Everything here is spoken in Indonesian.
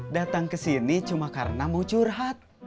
datang kesini cuma karena mau curhat